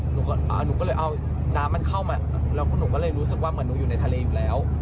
หนูก็เลยเอาน้ำมันเข้ามาแล้วก็หนูก็เลยรู้สึกว่าเหมือนหนูอยู่ในทะเลอยู่แล้ว